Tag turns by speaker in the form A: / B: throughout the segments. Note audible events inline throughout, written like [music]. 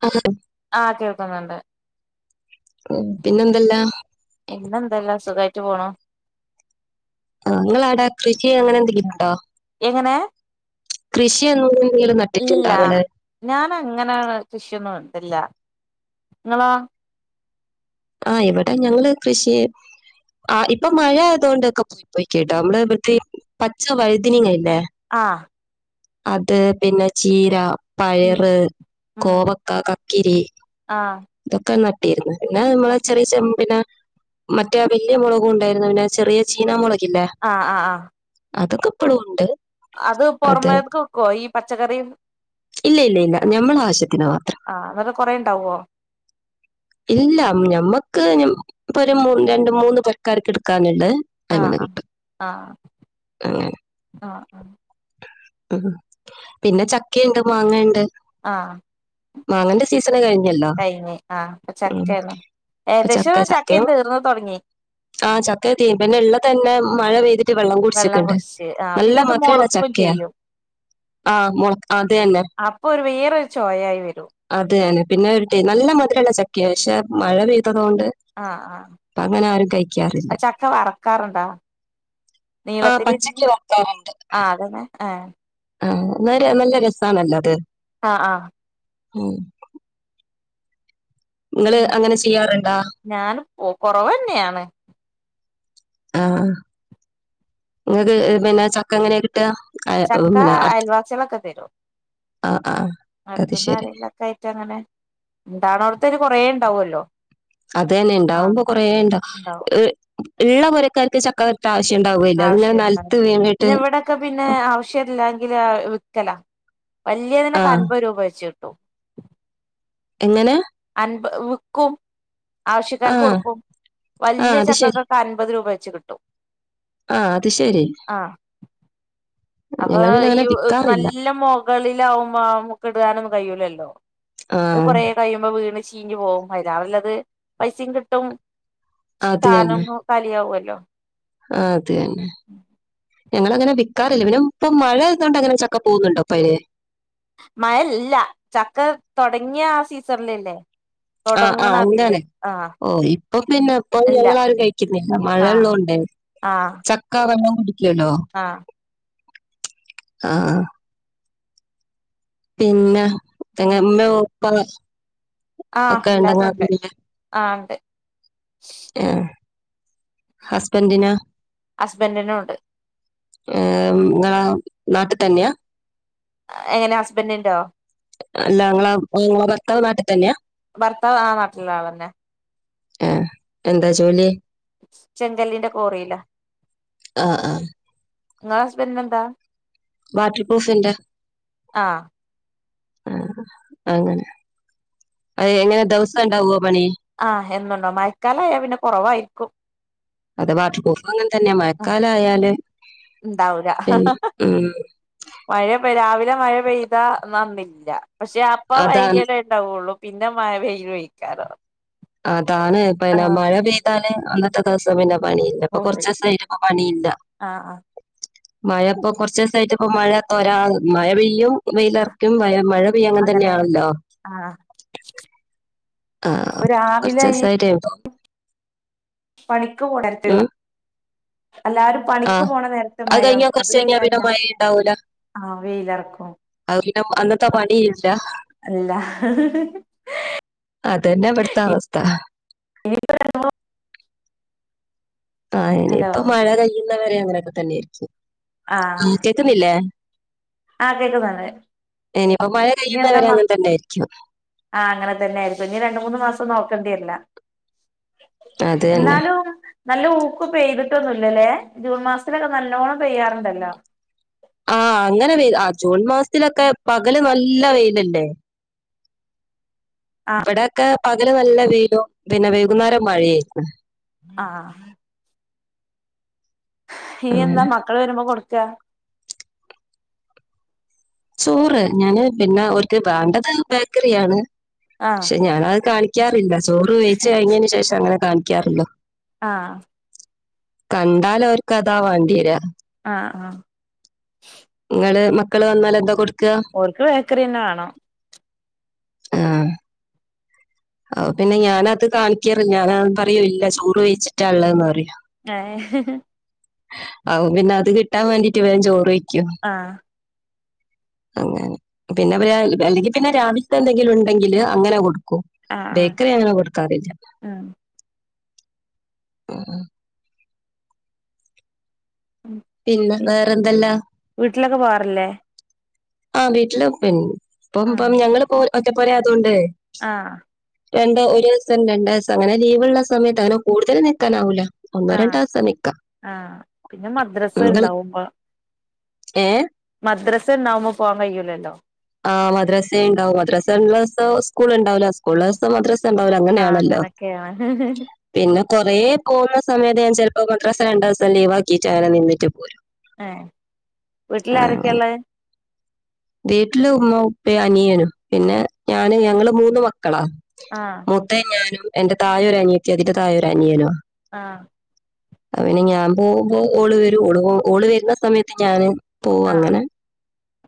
A: ആ
B: ആ കേൾക്കുന്നുണ്ട്
A: പിന്നെന്തല്ല?
B: ഇന്നെന്തല്ല സുഖമായിട്ട് പോണു
A: ആ ഇങ്ങളെ അവിട കൃഷി അങ്ങനെ എന്തെങ്കിലും ഉണ്ടോ
B: എങ്ങനെ
A: കൃഷി [unintelligible] നട്ടിട്ടുണ്ടോ
B: ഇല്ല
A: നിങ്ങള്
B: ഞാൻ അങ്ങനെയാണ് കൃക്ഷി ഒന്നും ഇതില്ല നിങ്ങളോ
A: ആ ഇവിടെ ഞങ്ങള് കൃഷി ആ ഇപ്പൊ മഴ ആയതൊണ്ടൊക്കെ പോയി പോയി കേട്ടോ നമ്മള് ഇവിടത്തെ പച്ച വഴുതനങ്ങ ഇല്ലേ
B: ആ
A: അത് പിന്നെ ചീര
B: ഉം
A: പയറ്
B: ഉം
A: കോവക്ക കക്കിരി
B: ആഹ്
A: ഇതൊക്കെ നട്ടിരുന്നു പിന്നെ നമ്മളെ ചെറിയ ചെമ്പന മറ്റേ വലിയ മുളകും ഉണ്ടായിരുന്നു പിന്നെ ചെറിയ ചീനാ മുളക്
B: ആ ആ. ആ
A: അതൊക്കെ ഇപ്പളും ഉണ്ട്
B: അത് പുറമേക്ക് വിക്കോ ഈ പച്ചക്കറീം
A: ഇല്ല ഇല്ല ഇല്ല നമ്മളെ ആവശ്യത്തിന് മാത്രം
B: ആ അതൊക്കെ കൊറെ ഇണ്ടാവോ
A: ഇല്ല ഞമ്മക്ക് ഇപ്പൊ ഒരു രണ്ട് മൂന്ന് കറിക്ക് എടുക്കാനണ്ട്
B: ആ ആ ആ ആ ആ
A: ഉ പിന്നെ ചക്കിയുണ്ട് മാങ്ങണ്ട്
B: ആ
A: മാങ്ങന്റെ സീസ്
B: കൈയ്ക്ക് ആ അപ്പൊ ചക്കയ്നു
A: ഇപ്പൊ
B: ഏകദേശം ചക്ക
A: ചക്കയും
B: തീർന്ന തുടങ്ങി
A: ആ ചക്ക തീയും പിന്നെ ഉള്ള തന്നെ മഴ പെയ്തി കുത്തി വെള്ളം കുടിച്ചക്കണ്ട്
B: കുടിച്ച് ആഹ്
A: നല്ല
B: പിന്നെ അത്
A: മധുരുള്ള
B: മുളക്കും
A: ചക്കയാ
B: ചെയ്യും
A: ആ മുള അതെന്നെ
B: ചോയ ആയി വരും
A: അത തെ പിന്നെ ടേ നല്ല മതിരം ഉള്ള ചക്ക പക്ഷെ മഴ പെയ്താൽ മയ പെയ്തോണ്ട്
B: ആഹ് ആഹ്
A: ഇപ്പം അങ്ങനെ ആരും കഴിക്കാറില്ല ആ
B: നീളത്തിൽ എരിഞ്ഞ്
A: പച്ചക്ക് വറുക്കാറുണ്ട്
B: ആ അതന്നെ ആഏ
A: ആ ഇന്നാ നല്ല രസമാണല്ലത്
B: ആ ആ
A: ഉം
B: പി
A: നിങ്ങള് അങ്ങനെ ചെയ്യാറുണ്ടാ
B: ഞാൻ കൊറവന്നെയാണ്
A: ആ നിങ്ങക്ക് പിന്നെ ചക്ക എങ്ങനെയ കിട്ടാ
B: ചക്ക അയൽവാസികളെക്കെ തരും
A: ആ ആ അത് ശരി
B: അത്തന്നരയിലൊക്കെ ആയിട്ട് അങ്ങനെ ഇണ്ടാണോടത്തന്നെ കൊറെ ഇണ്ടാവല്ലോ
A: അതെന്നെ ണ്ടാവുമ്പോ കൊറേ ണ്ടാ.
B: ഉണ്ടാവും
A: ഹ് ള്ള പോരക്കാർക്ക് ചക്ക ആവശ്യം ഉണ്ടാവുകയില്ല അതിങ്ങനെ
B: ആവശ്യണ്ടാ
A: നിലത്ത് വീണിട്ട്
B: പിന്നെ ഇവിടൊക്കെ പിന്നെ ആവശ്യമല്ലങ്കില് വിക്കല വല്യേനൊക്കെ
A: ആഹ്
B: അമ്പത് രൂപ വെച്ച് കിട്ടും
A: എങ്ങനെ
B: അൻപ വിക്കും ആവശ്യക്കാർക്ക്
A: ആഹ്
B: കൊടുക്കും
A: ആഹ്
B: വല്യ
A: അത്
B: ചക്കക്കൊക്കെ അൻപത് രൂപ വെ വെച്ച് കിട്ടും
A: ആ അത് ശരി
B: ആഹ് അപ്പൊ
A: ഞങ്ങൾ പിന്നെ
B: ഈ
A: അങ്ങനെ വിക്കാറില്ല
B: നല്ല മുകളിലാവുമ്പൊ ആമുക്ക്‌ടാനൊന്നും കഴിയുലല്ലോ അഹ്
A: ആഹ്
B: കൊറെ കഴിയുമ്പോ വീണ് ചീഞ്ഞി പോകും. അയിലേറെല്ലത് പൈസയും കിട്ടും. സ്ഥാനൊന്നോ കലിയാവൊല്ലോ
A: ആ അത് തന്നെ ഞങ്ങള് അങ്ങനെ വിക്കാറില്ല. പിന്നെ ഇപ്പോം മഴയാത് കൊണ്ട് അങ്ങനെ ചക്ക പോഉന്നുണ്ടോപ്പയ്ന്?
B: മഴല്ല. ചക്ക തൊടങ്ങിയ ആ സീസൺല്ല്ലേ
A: ആഹ് ആ അങ്ങനെ ഓ ഇപ്പൊ പിന്നെ ഇപ്പൊ
B: ഇല്ല
A: ഞങ്ങളാരും കഴിക്കുന്നില്ല.
B: ആഹ്
A: മഴള്ളോണ്ട്
B: ആഹ്
A: ചക്ക വെള്ളം ക്യുണ്ടോ
B: ആഹ്
A: ആ ആ പിന്നെഎങ്ങെ ഉമ്മെ ഉപ്പ
B: ആഹ്
A: ഒക്കെ
B: എല്ലാരും
A: ണ്ടങ്ങ
B: ഉണ്ട്
A: പിന്നെ
B: ആഹ് ഉണ്ട്
A: ഏ ഹസ്ബൻഡിന്
B: ഹസ്ബൻറിനൂണ്ട്
A: ഏ ങ്ളാ നാട്ട് തന്നെയാ?
B: എങ്ങനെ ഹസ്ബറ്റിൻഡോ?
A: അല്ല ങ്ങളാഹ് ങ്ങള ഭർത്താവ് നാട്ടി തന്നെയാ?
B: ഭർത്താവ് ആ നാട്ടില്ള്ള ആളെന്നെ.
A: ആഹ് എന്താ ജോലി?
B: ചെങ്കല്ലിന്റെ കോറിയില.
A: ആഹ് ആഹ്
B: നിങ്ങളെ ഹസ്ബാൻഡിന് എന്താ?
A: വാട്ടർപ്രൂഫിൻ്റെ
B: ആഹ്
A: ആ അങ്ങനെ. അത് എങ്ങനെ ദിവസം ഉണ്ടാവുവോ പണി?
B: ആഹ് എന്നുണ്ടാഉം. മയക്കാലയാ പിന്നെ കൊറവായിരിക്കും.
A: അതെ വാട്ടർപൂഫും അങ്ങെൻ തന്നെയ മഴക്കാലായാല്
B: ണ്ടാവുലാ
A: പിന്നെ ഉം
B: മഴ രാവിലെ മഴ പെയ്താ ന്നാന്നില്ല. പക്ഷെ അപ്പ
A: അതാണ്
B: വൈക്യലേ ണ്ടാവുള്ളൂ പിന്നെ മഴപെയ്യൊയ്ക്കാരോ
A: അതാണ് പന്നെ മഴ പെയ്താല് അന്നത്തെ ദിവസം പിന്നെ പണിയില്ല. ഇപ്പ
B: പോയി
A: കൊർച്ചോസായിട്ട് പ്പ പണിയില്ല.
B: ആഹ് ആഹ്
A: മഴ പ്പോ കൊർച്ചീസായിട്ട് ഇപ്പ മഴ തൊരാ മഴ പെയ്യും
B: ആഹ്
A: വെയിലർക്കും വയ മഴ പെയ്യ അങ്ങൻ
B: അങ്ങനെയാണ്
A: തന്നെയാണല്ലോ
B: ആഹ്
A: ആ
B: അപ്പൊ രാവിലെ ഈ
A: കൊർചേസായിട്ടെ ഒള്ളൂ
B: പണിക്ക് പോണ് ട്ട്
A: ഉം
B: എല്ലാരും പണിക്ക്
A: ആഹ്
B: പോണ നേര്ത് മഴ
A: കഴിഞ്ഞാ
B: അത്
A: കുറച്ച് കഴിഞ്ഞാ
B: കഴിഞാ ല്ല
A: പിന്നെ മഴ ഉണ്ടാവൂല
B: ആഹ് വെയിലറക്കും
A: അം അന്നത്തെ പണി ല്ലാഹ്
B: അല്ല
A: അതന്നെ ഇവിടുത്തെ അവസ്ഥ [unintelligible] ആഹ്
B: ഹലോ
A: ഇനിയിപ്പ മഴ കഴിയുന്ന വരെ അങ്ങനെയൊക്കെ തന്നെയായിരിക്കും. ആ കേക്കുന്നില്ലേ?
B: ആ കേക്കുന്നുണ്ട്.
A: ഇനിയിപ്പോ മഴ
B: ഇഞ്ഞി എന്നാ
A: കഴിയുന്നവരെ അങ്ങനെ
B: മക്
A: തന്നെ ആയിരിക്കും
B: ആങ്ങനെ തന്നെയായിര്ക്കും. ഇനി രണ്ട് മൂന്ന് മാസം നോ ക്കണ്ട്യര്ലാ
A: അത് തന്നെ
B: എന്നാലും നല്ല ഊക്ക് പെയ്തിട്ടൊന്നുംല്ലല്ലേ? ജൂൺ മാസത്തിലൊക്കെ നല്ലോണ്ണം പെയ്യാറുണ്ടല്ലോ?
A: ആ അങ്ങനെ വെ ആ ജൂൺ മാസ്ത്തിലൊക്കെ പകല് നല്ല വെയിലല്ലേ. ഇവിടെൊക്കെ പകല് നല്ല വെയിലും പിന്നെ വൈകുന്നേരം മഴയായിരിക്കും
B: ആഹ ഹിയ്യ് എന്താ
A: അങ്ങനെ
B: മക്കള് വരുമ്പോ കൊടുക്കാ?
A: ചോറ്. ഞാന് പിന്നെ ഓൽക്ക് വേണ്ടത് ബേക്കറിയാണ്.
B: ആഹ്
A: പക്ഷെ ഞാനത് കാണിക്കാറില്ല ചോറ് കഴിച്ച് കഴിഞ്ഞതിനന് ശേഷം അങ്ങനെ കാണിക്കാറുള്ളൂ
B: ആഹ
A: കണ്ടാൽ അവർക്ക് അതാ വേണ്ടി വരാ
B: ആഹ ആഹ
A: ഇങ്ങള് മക്കള് വന്നാൽ എന്താ കൊടുക്ക
B: ഓർക്ക് ബേക്കറി തന്നെ വേണം
A: ആഹ പിന്നെ ഞാന അത് കാണിക്കാറ് ഇല്ല പറയൂ ഇല്ല ചോറ് കാഴ്ച്ചിട്ട ഉള്ളത് പറയും
B: ഹ [unintelligible]
A: ആ പിന്നെ അത് കിട്ടാൻ വേണ്ടിട്ട് വേഗം ചോറ് കഴിക്കും
B: ആഹ
A: അങ്ങനെ പിന്നെ അല്ലെങ്കിൽ പിന്നെ രാവിലത്തെ എന്തെങ്കിലും ഉണ്ടെങ്കില് അങ്ങനെ കൊടുക്കും
B: ആഹ് ആഹ്
A: ബേക്കറി അങ്ങനെ കൊടുക്കാറില്ല ആഹ
B: ഉം
A: പിന്നെ വേറെന്തല്ലാ
B: വീട്ടിലൊക്കെ പോവാറില്ലേ
A: ആ വീട്ടില് പിന്നെ ഇപ്പം ഇപ്പ ഞങ്ങള് പോ ഒറ്റ പോര അതുകൊണ്ട്
B: ആഹ
A: രണ്ട് ഒരു ദിവസം രണ്ട് ദിവസം അങ്ങനെ ലീവ്ള്ള സമയത്ത് അങ്ങനെ കൂടുതല് നിൽക്കാനാവൂല ഒന്നോ
B: ആഹ
A: രണ്ടോ ദിവസം നിൽക്കാം
B: ആഹ പിന്നെ മദ്രസ
A: നിങ്ങൾ
B: ഉണ്ടാവുമ്പോ
A: ഏ
B: മദ്രസന്നാവുമ്പ പോവാൻ കഴിയുലല്ലോ
A: ആഹ് മദ്രാസ ഉണ്ടാവും മദ്രാസ ഉള്ള ദിവസം സ്കൂൾ ഉണ്ടാവില്ല സ്കൂള ദിവസം മദ്രാസ ഉണ്ടാവില്ല
B: ആഹ്
A: അങ്ങനെയാണല്ലോ
B: [unintelligible]
A: പിന്നെ കൊറ പോകുന്ന സമയത്ത് ഞാൻ ചെല മദ്രാസ രണ്ട് ദിവസം ലീവ് ആകിട്ട് ആള് നിന്നിട്ട് പോരും
B: ഏ വീട്ടില്
A: ആ,
B: ആരൊക്കെയ
A: അങ്ങനെ
B: ഇള്ള്
A: വീട്ടില് ഉമ്മ ഉപ്പ അനിയനും പിന്നെ ഞാന് ഞങ്ങള് മൂന്ന് മക്ക ക്കള
B: ആഹ്
A: മുത്തേ ഞാനും എന്റെ തയെ അനിയത്തിയും അതിന്റെ തായെ ഒരു അനിയനും
B: ആഹ
A: അതിനു ഞാൻ പോകുബോ ഓള് വരും ഓള് വരുന്ന സമയത്ത് ഞാനും പോവോ അങ്ങനെ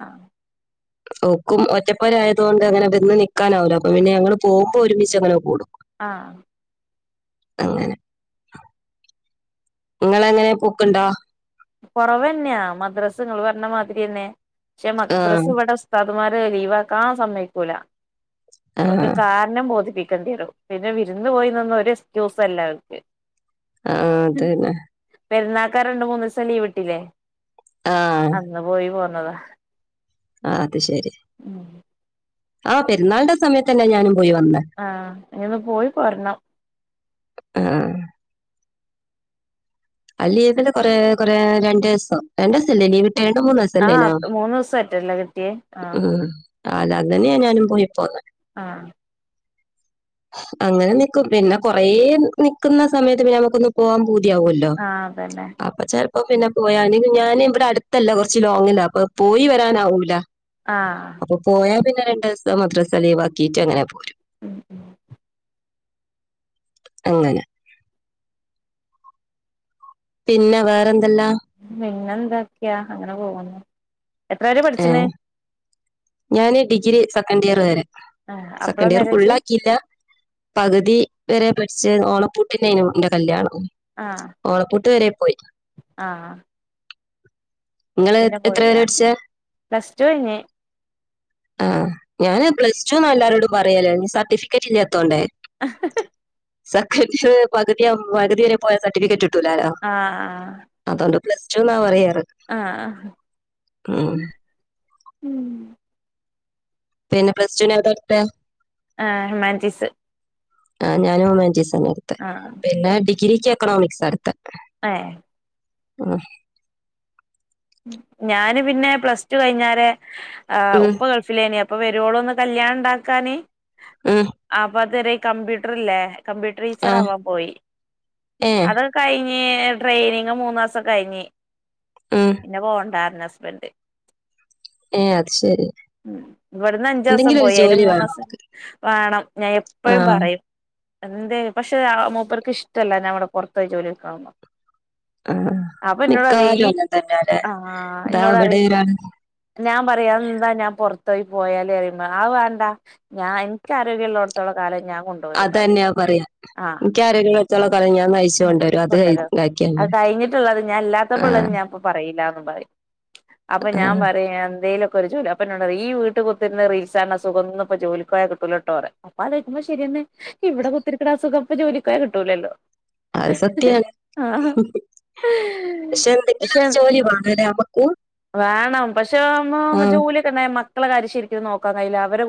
B: ആഹ
A: ഓക്കും ഒറ്റപ്പര ആയതുകൊണ്ട് അങ്ങനെ വന്ന് നിക്കക്കാനാവല്ലോ അപ്പൊ പിന്നെ ഞങ്ങള്ൾ പോകുമ്പോൾ ഒരുമിച്ച് അങ്ങനെ കൂടും
B: ആഹ
A: അങ്ങനെ നിങ്ങ എങ്ങനെ പൊക്കണ്ടോ
B: കുറവന്നെയാ മദ്രസ്ങ്ങൾ പറരണ മാതിരി തന്നെ പക്ഷെ
A: ആ
B: മദ്രസ് ഇവിടെ ഉസ് ഇവൻമാര് ലീവക്കാൻ സമ്മക്കൂല
A: ആ
B: അവർക്ക് കാരണം ബോധിപ്പി ും പിന്നെ വിരുന്ന് പോയി നിന്ന ഒരു എസ്ക്യൂസ അല്ല അവർക്ക്
A: ആഹ അതന്നെ
B: പെരുന്നാക്കാ രണ്ട മൂന്ന്ു ദിവസം ലീവ് ഇട്ടില്ലേ
A: ആ
B: അന്ന് പോയി പോന്നതാ
A: ആ അത് ശരി
B: ഉം
A: ആഹ പെരുന്നാളിന്റെ സമയത്ത് തന്നെ ഞാനും പോയി വന്ന
B: ആഹ ഇനി ഒന്ന് പോയി കൊരണം
A: ആഹ അ ലീവല് കൊറെ കൊറെ രണ്ട് ദിവസം രണ്ട ദിവസല്ലേ ലീ രേണ്ട് മൂന്ന്
B: ആഹ്
A: സല്ലേനോ
B: മൂന്ന് ദിവസായിട്ടല്ലേ കിട്ടിയേ ആഹ്
A: ഉം. ആല്ല അന്നെന്നാ ഞാനും പോയി പോന്നെ
B: ആ
A: അങ്ങനെ നിക്കും പിന്നെ കൊറേ നിക്കുന്ന സമയത്ത് പിന്നെ നമുക്കൊന്ന് പോവാൻ കല്ലോ
B: അതല്ലേ
A: ചെലപ്പോ പിന്നെ പോയാ അല്ലെങ്കിൽ ഞാൻ ഇവിടെ ട്ത്തല്ല കൊറച്ച് ലോങ്ങില അപ്പൊ പോയി വരാനാവൂല്ല.
B: ആഹ്
A: അപ്പൊ പോയാ പിന്നെ രണ്ടു ദിസം മദ്രസ ലീവാക്കിറ്റ് അങ്ങനെ പോരും.
B: ഉം ഉം
A: അങ്ങനെ പിന്നെ വേറെന്തല്ലാം?
B: പിന്നെ എന്തൊക്കാ? അങ്ങനെ പോകുന്നു. എത്രവരേ പഠിച്ച്ണ്?
A: ഏഹ് ഞാന് ഡിഗ്രി സെക്കൻഡിയറ് വരെ.
B: ആഹ് അപ്പളാ
A: സെക്കൻഡ് ഇയർ
B: മാരേജ്
A: ഫുള്ളാ ആക്കിയില്ല പക്തി വരെ പോയി. ച്ച് ഓണപ്പൂട്ടിന്നേനു ന്റെ കല്യാണം ഓണപ്പൂട്ട് വരെ പോയി.
B: ആ
A: ഇങ്ങള് എത്ര വെരേ പടിച്ചേ?
B: പ്ലസ് ടുഴിഞ്ഞ്
A: ആ ഞാന് പ്ലസ് ടുന്നാല്ലാരോടും പറയാലേ സർട്ടിഫിക്കറ്റ് ല്ലാത്തോണ്ടേ.
B: അ ഹ് ഹ്
A: സെക്കന്റിയർ പകുതിയാവു പകുതിവരെ പോയ സർട്ടിഫിക്കറ്റ് ട്ടൂലാലൊ
B: ആഹ്
A: അതോണ്ട് പ്ലസ് ടു ന്നാ പറയാറ്
B: ആഹ് ആഹ്
A: ഉം.
B: ഉം
A: പിന്നെ പ്രസ്ടുനേതാട്ത്തെ?
B: ആ ഹുമാൻറ്റിസ്.
A: ആ ഞൻ ഉമാൻറ്റീസെന്നെട്ത്തെ.
B: ആഹ്
A: പിന്നെ ഡിഗ്രിക്ക് എക്കണോമിക് സാട്ത്തെ.
B: ഏ
A: ആ
B: ഞാന് പിന്നെ പ്ലസ് ടു കഴിഞ്ഞാരെ ആ
A: ഉം.
B: ഉപ്പ ഗൾഫിലേനി അ ഇപ്പ വരുവോളൊന്ന് കല്യാണം ണ്ടാക്കാന്
A: ഉം.
B: ആപ്പഅത് രെ ഈ കമ്പ്യൂട്ടർ ഇല്ലേ കമ്പ്യൂട്ടർ
A: ആ.
B: ടീച്ചറാവാൻ പോയി
A: ഏ.
B: അതാണ് കഴി ഞ്ഞേ ട്രെയിനിങ് മൂന്ന് മാസം കഴിഞ്ഞ്.
A: ഉം.
B: പിന്നെ പോണ്ടാർഞ്ഞ് ഹസ്ബൻ്റ്.
A: ഏ അത് ശരി.
B: ഇവിട്ന്ന് അഞ്ചൂസം
A: എന്തെങ്കിലും ഒരു
B: പോയി അയില്
A: ജോലി വേണം.
B: മൂന്ന്സം വാണം
A: ആ.
B: ഞാനെപ്പഴും പറയും. എന്തെ പക്ഷെ ആ മൂപ്പർക്ക് ഇഷ്ടല്ല ഞാവ്ടെ പൊറത്ത് പോയി ജോലിട്ക്ക്ണതൊന്നും.
A: ആ.
B: അപ്പൊന്നോട് പറഞ്ഞ്
A: മിക്കവാറും
B: ഈ
A: അങ്ങനെ തന്നെയാല്ലേ.
B: ആ
A: ദാ ഇവിടെ
B: എന്നോടറിയിം
A: ഒരാള്
B: ഞാൻ പറയ് എന്താ ഞാൻ പൊർ ത്തോയ് പോയാല് റിയുമ്പോ ആ വാണ്ട ഞാ ഇൻക്ക് ആരോഗ്യള്ളോട്ത്തോള കാലം ഞാൻ കൊണ്ടുവരും പറയും
A: അതെന്നെയാ പറയാ ഇൻക്കാരോഗ്യ ള്ളോ
B: കൊണ്ടരോ
A: ഇതാക്കിയാ
B: അത്
A: മതി.
B: കഴിഞ്ഞിട്ട്ള്ളത്
A: ആ.
B: ഞാനില്ലാത്തപ്പള്ളത് ഞാൻ പ്പ പറയില്ലാന്ന് [unintelligible] അപ്പൊ ഞാൻ
A: ആഹ്
B: പറയാ എന്തേലും [unintelligible] അപ്പൊ ന്നോടറിം ഈ വീട്ട കുത്തിര്ന്ന് റീൽസാണ് ണസുഖന്നും ഈ ജോലിക്കോയാ കിട്ടൂലട്ടോറിയിം അപ്പലോയ്ക്കുമ്പോ ശെരിയാണ്. ഹ് ഇവിടെ കുത്തിരിക്ക്ണ ആ സുഖം ഇപ്പ ജോലിക്കോയാ കിട്ടൂലല്ലോ.
A: അത് സത്യയാണ്.
B: ആഹ്
A: പക്ഷെ
B: പക്ഷെ
A: എന്തെങ്കിലൊരു ജോലി വേണല്ലേ നമക്ക്.
B: ട്ടിളാവുമ്പോ നമ്മ ജോലിയൊക്കെണ്ടായ മക്കളെ കാര്യം ശെരിക്കും നോക്കാൻ കഴിയൂല. അവരുടെ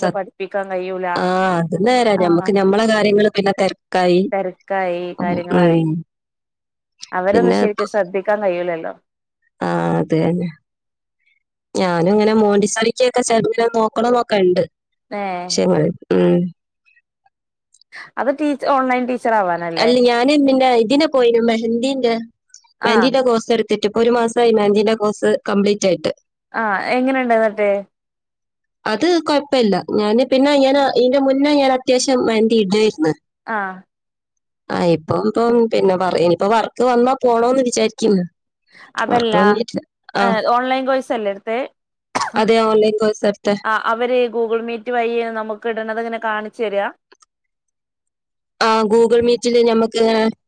A: സ
B: പഠിപ്പിക്കാൻ കഴിയൂല.
A: ആഹ് അത് നേരാ
B: ആ
A: ഞമ്മക്ക് ഞമ്മളെ കാര്യങ്ങള് പിന്നെ തെരക്കായി
B: തെരക്കായി കാര്യങ്ങളായി
A: ഉം
B: അവരൊന്നു ശെരിക്ക് ശ്രദ്ധിക്കാൻ കഴിയ്യൂലല്ലോ.
A: ആ അത് ന്നെ. ഞാനുംങ്ങനെ മോണ്ടിസറിക്കെക്കെ ചേർന്ന് ഇങ്ങനെ നോക്കണോ ന്നൊക്കെണ്ട്.
B: ഏ
A: ഉം
B: അത് ടീച് ഓൺലൈൻ ടീ
A: അല്ല ഞാനും പിന്നെ ഇതിനെ പോയിനു മെഹന്ദീന്റെ
B: ആഹ്
A: മെഹന്ദീന്റെ കോസ് എട് ത്ത്ട്ട്പ്പോ ഒരു മാസംആയി മെഹന്തിന്റെ കോഴ്സ് കംപ്ലീറ്റ് ആയിട്ട്.
B: ആ എങ്ങനുണ്ട് എന്നിട്ട്?
A: അത് കൊഴപ്പില്ല ഞാന് പിന്നെ ഞാന് ഇന്റെ മുന്നേ ഞാൻ അത്യാവശ്യം മന്തി ഇടായിരുന്നു
B: ആ
A: ആ ഇപ്പം ഇപ്പ പിന്നെ പറനി ഇപ്പ വർക്ക് വന്നാ പോണന്ന് വിചാരിക്കുന്നു
B: അതല്ല ഏ ഓൺലൈൻ കോഴ്സ് അല്ലേ എടുത്തേ
A: അതെ ഓൺലൈൻ കോഴ്സ് എടുത്തെ
B: ആ അവര് ഗൂഗിൾ മീറ്റ് വഴിയ നമുക്ക് ഇടണത് ഇങ്ങനെ കാണിച്ചു തരിക
A: ആ ഗൂഗിൾ മീറ്റില് നമ്മക്ക്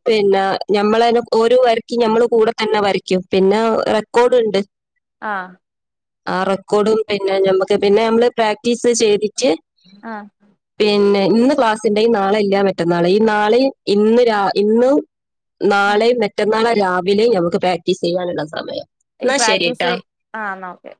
A: പിന്നെ നഞമ്മളെ ഓരോ വർക്കിലും ഞമ്മൾ കൂടെ തന്നെ വരക്കും പിന്നെ റെക്കോർഡ് ഉണ്ട്
B: ആ
A: ആ റെക്കോർഡും പിന്നെ ഞമ്മക്ക് പിന്നെ നമ്മള് പ്രാക്ടീസ് ചെയ്തി റ്റ്
B: ആഹ്
A: പിന്നെ ഇന്ന് ക്ലാസ് ഉണ്ടിൽ നാളെ ഇല്ലാ മറ്റന്നാള ഈ നാളെയ ഇന്ന് ഇന്ന് നാളെ മറ്റന്നാള രാവിലെയും നമുക്ക് പ്രാക്ടീസ് ചെയ്യാനുള്ള സമയം
B: ഈ
A: എന്നാ ശരി
B: പ്രാക്ടീസ്
A: ട്ടാ
B: ആ എന്ന ഓക്കെ